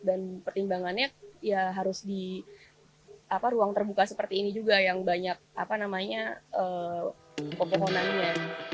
dan pertimbangannya ya harus di ruang terbuka seperti ini juga yang banyak apa namanya pepohonannya